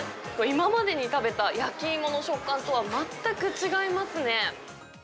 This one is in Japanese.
今までに食べた焼き芋の食感とは全く違いますね。